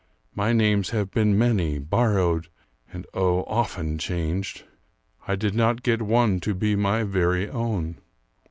My names have been many, borrowed, and oh, often changed. I did not get one to be my very own!